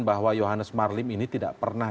bahwa yohannes marlim ini tidak pernah